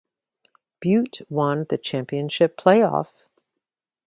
Butte won the championship playoff.